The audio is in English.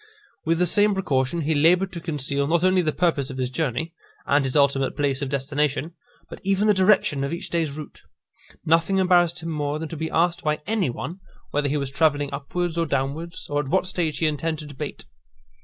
With the same precaution he laboured to conceal, not only the purpose of his journey, and his ultimate place of destination, but even the direction of each day's route. Nothing embarrassed him more than to be asked by any one, whether he was travelling upwards or downwards, or at what stage he intended to bait.